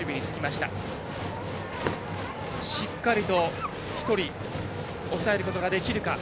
しっかりと１人抑えることができるか。